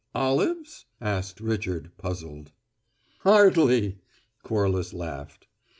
"Olives?" asked Richard, puzzled. "Hardly!" Corliss laughed.